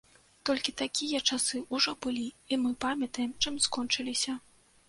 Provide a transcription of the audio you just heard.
Толькі такія часы ўжо былі, і мы памятаем, чым скончыліся.